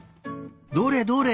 どれどれ？